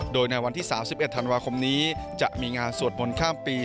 โดยในวันที่๓๑ธันวาคมนี้จะมีงานสวดมนต์ข้ามปี